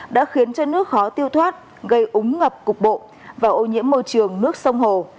đã khiến cho nước khó tiêu thoát gây úng ngập cục bộ và ô nhiễm môi trường nước sông hồ